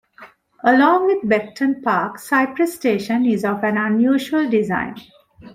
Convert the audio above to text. Along with Beckton Park, Cyprus station is of an unusual design.